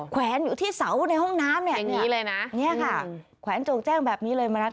แขวนอยู่ที่เสาในห้องน้ำนี่ค่ะนี่ค่ะแขวนโจรแจ้งแบบนี้เลยมณัติ